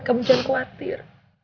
kamu jangan khawatir